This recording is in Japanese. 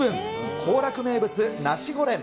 幸楽名物ナシゴレン。